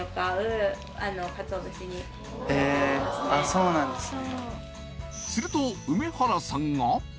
そうなんですね。